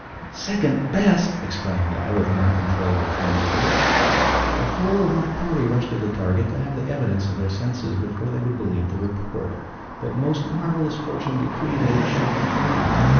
"Second best!" exclaimed I, with uncontrollable transports. The whole of my party rushed to the target to have the evidence of their senses before they would believe the report; but most marvelous fortune decreed that it should be true.